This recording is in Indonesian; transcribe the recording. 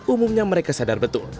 umumnya mereka sadar betul